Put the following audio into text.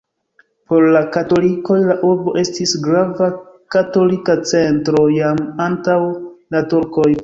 Por la katolikoj la urbo estis grava katolika centro jam antaŭ la turkoj.